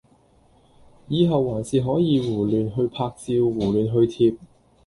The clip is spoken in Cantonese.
以後還是可以胡亂去拍照，胡亂去貼！